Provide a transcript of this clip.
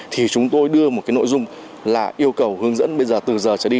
thì chúng tôi đưa một cái nội dung là yêu cầu hướng dẫn bây giờ từ giờ trở đi